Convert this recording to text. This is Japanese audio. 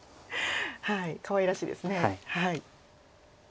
かわいらしいですね。